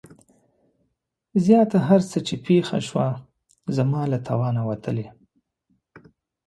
زياته هر څه چې پېښه شوه زما له توانه وتلې.